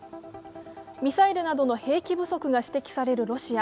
ミサイルなどの兵器不足が指摘されるロシア。